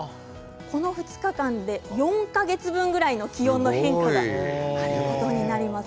この２日間で４か月分ぐらいの気温の変化があることになります。